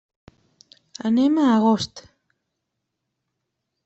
Anem a Agost.